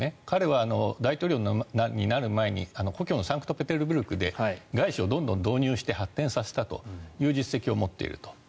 彼は大統領になる前に故郷のサンクトペテルブルクで外資をどんどん導入して発展させたという実績を持っていると。